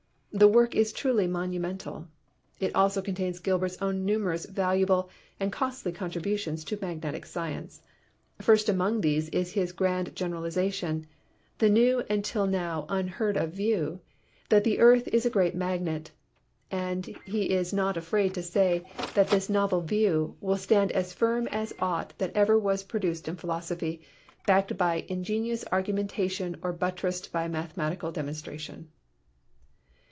The work is truly monumental. It also contains Gilbert's own numerous valuable and costly con tributions to magnetic science. First among these is his grand generalization, "the new and till now unheard of 46 PHYSICS view," that the earth is a great magnet; and he is not afraid to say that this novel view "will stand as firm as aught that ever was produced in philosophy, backed by ingenious argumentation or buttressed by mathematical demonstration.